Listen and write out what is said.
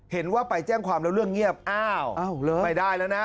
เห็นว่าไปแจ้งความเรื่องเงียบอ้าวอ้าวหรอไม่ได้แล้วนะ